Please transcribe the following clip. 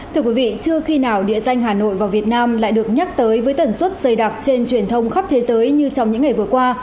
thưa quý vị chưa khi nào địa danh hà nội và việt nam lại được nhắc tới với tần suất dày đặc trên truyền thông khắp thế giới như trong những ngày vừa qua